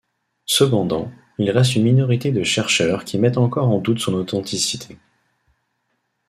Cependant, il reste une minorité de chercheurs qui mettent encore en doute son authenticité.